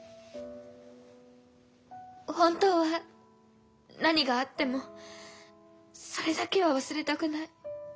本当は何があってもそれだけは忘れたくない。